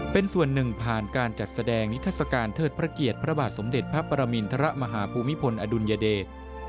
เป็นส่วนหนึ่งผ่านการจัดแสดงนิทัศกาลเทิดพระเกียรติพระบาทสมเด็จพระปรมินทรมาฮภูมิพลอดุลยเดช